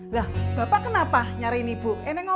lah bapak kenapa nyariin ibu